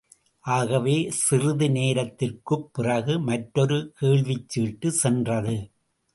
ஆகவே, சிறிது நேரத்திற்குப் பிறகு மற்றொரு கேள்விச்சீட்டு சென்றது.